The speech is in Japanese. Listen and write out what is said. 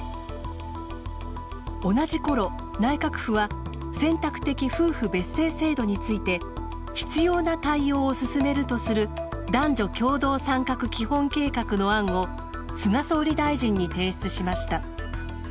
同じころ内閣府は選択的夫婦別姓制度について「必要な対応を進める」とする男女共同参画基本計画の案を菅総理大臣に提出しました。